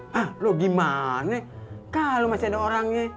hah lu gimana kalo masih ada orangnya